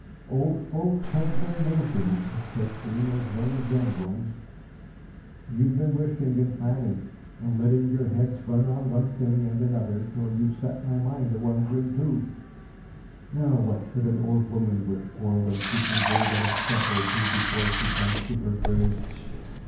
"Old folks have their notions," said she, "as well as young ones. You've been wishing and planning; and letting your heads run on one thing and another, till you've set my mind a wandering too. Now what should an old woman wish for, when she can go but a step or two before she comes to her grave?